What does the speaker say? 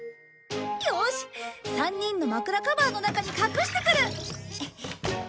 よし３人のまくらカバーの中に隠してくる！